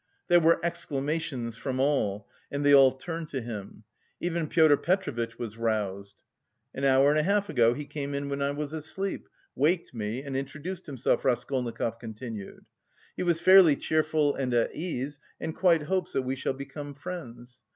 There were exclamations from all, and they all turned to him. Even Pyotr Petrovitch was roused. "An hour and a half ago, he came in when I was asleep, waked me, and introduced himself," Raskolnikov continued. "He was fairly cheerful and at ease, and quite hopes that we shall become friends.